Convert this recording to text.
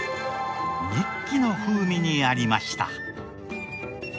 ニッキの風味にありました。